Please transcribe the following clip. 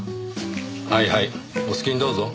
はいはいお好きにどうぞ。